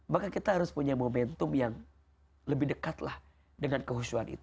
maka kita harus punya momentum yang lebih dekat lah dengan kehusuan itu